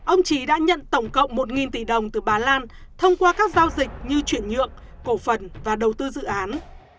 ông trí đã nhận tổng cộng một tỷ đồng từ bà lan thông qua các giao dịch như chuyển nhượng cổ phần và đầu tư dự án